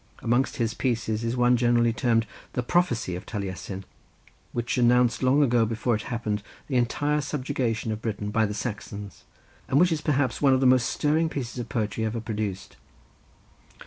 Amongst his pieces is one generally termed "The Prophecy of Taliesin," which announced long before it happened the entire subjugation of Britain by the Saxons, and which is perhaps one of the most stirring pieces of poetry ever produced.